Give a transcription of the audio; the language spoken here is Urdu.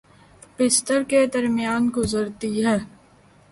بستر کے درمیان گزرتی ہے